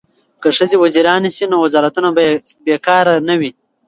که ښځې وزیرانې شي نو وزارتونه به بې کاره نه وي.